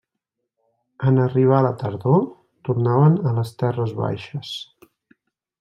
En arribar la tardor, tornaven a les terres baixes.